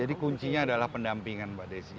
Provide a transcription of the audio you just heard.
jadi kuncinya adalah pendampingan pak desi